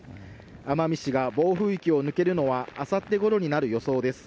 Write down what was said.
奄美市が暴風域を抜けるのはあさってごろになる予想です。